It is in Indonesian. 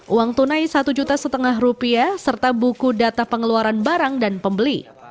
uang tunai rp satu lima serta buku data pengeluaran barang dan pembeli